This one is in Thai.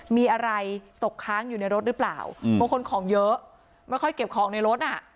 มีอะไรตกค้างอยู่ในรถหรือเปล่าบางคนของเยอะไม่ค่อยเก็บของในรถอ่ะ